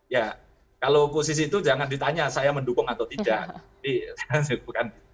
ya kalau posisi itu jangan ditanya saya mendukung atau tidak